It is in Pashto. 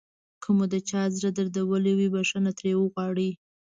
که مو د چا زړه دردولی وي بښنه ترې وغواړئ.